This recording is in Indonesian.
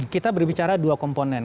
kita berbicara dua komponen